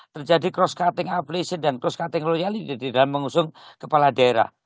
terjadi cross cutting applace dan cross cutting loyal di dalam mengusung kepala daerah